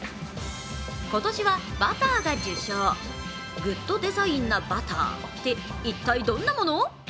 今年はバターが受賞グッドデザインなバターって一体どんなもの？